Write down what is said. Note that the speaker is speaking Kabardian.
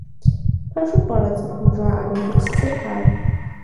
- Пэжу пӀэрэ цӀыхум жаӀэр? - егупсысырт ар.